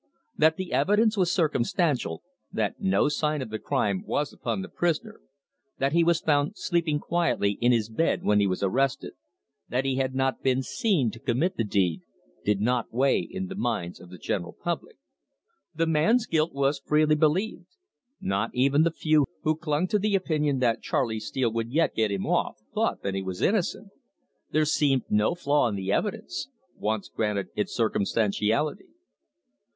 That the evidence was circumstantial, that no sign of the crime was upon the prisoner, that he was found sleeping quietly in his bed when he was arrested, that he had not been seen to commit the deed, did not weigh in the minds of the general public. The man's guilt was freely believed; not even the few who clung to the opinion that Charley Steele would yet get him off thought that he was innocent. There seemed no flaw in the evidence, once granted its circumstantiality.